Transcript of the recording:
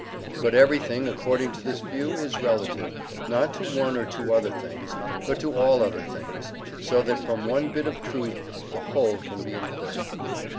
But everything, according to this view, is relative, not to one or two other things, but to all other things, so that from one bit of truth the whole can be inferred.